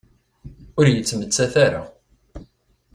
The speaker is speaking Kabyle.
Ur yettmettat ara.